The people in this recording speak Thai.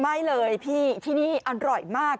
ไม่เลยพี่ที่นี่อร่อยมาก